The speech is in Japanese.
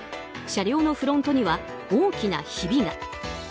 車両のフロントには大きなひびが。